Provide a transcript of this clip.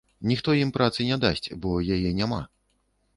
Ніхто ім працы не дасць, бо яе няма.